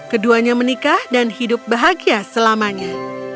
keduanya menikah dan hidup bahagia selamanya